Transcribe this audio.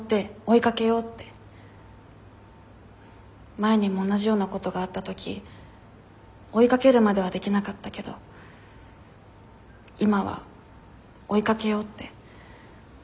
前にも同じようなことがあった時追いかけるまではできなかったけど今は追いかけようって。